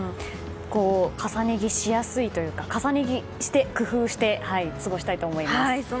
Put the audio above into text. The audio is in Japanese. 重ね着しやすいというか重ね着して、工夫して過ごしたいと思います。